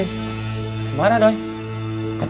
nggak boleh doi dosa